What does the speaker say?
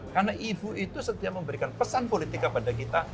karena ibu itu setiap memberikan pesan politik kepada kita